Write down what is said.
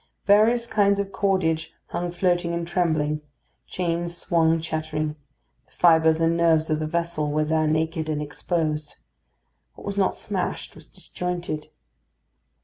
Various kinds of cordage hung floating and trembling, chains swung chattering; the fibres and nerves of the vessel were there naked and exposed. What was not smashed was disjointed.